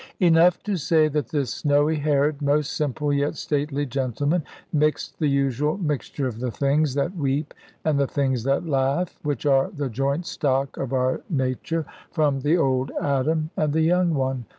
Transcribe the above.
Enough to say that this snowy haired, most simple yet stately gentleman, mixed the usual mixture of the things that weep and the things that laugh; which are the joint stock of our nature, from the old Adam and the young one.